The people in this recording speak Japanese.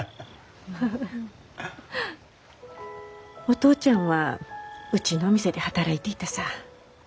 お父ちゃんはうちのお店で働いていたさぁ。